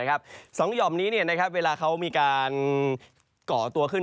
สองหย่อมนี้เวลาเขามีการก่อตัวขึ้น